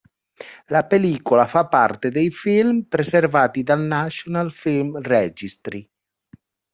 La pellicola fa parte dei film preservati dal National Film Registry.